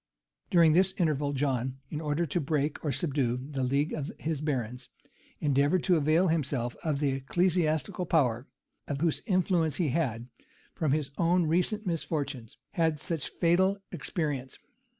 273] During this interval, John, in order to break or subdue the league of his barons, endeavored to avail himself of the ecclesiastical power, of whose influence he had, from his own recent misfortunes, had such fatal experience.